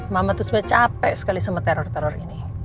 mama tuh sebenarnya capek sekali sama teror teror ini